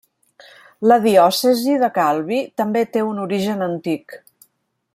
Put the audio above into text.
La diòcesi de Calvi també té un origen antic.